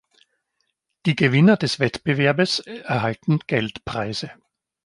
Die Gewinner des Wettbewerbes erhalten Geldpreise.